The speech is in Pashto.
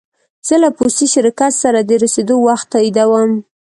زه له پوستي شرکت سره د رسېدو وخت تاییدوم.